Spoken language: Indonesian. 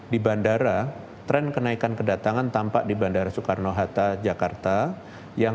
di bandara tren kenaikan kedatangan tampak di bandara soekarno hatta jakarta yang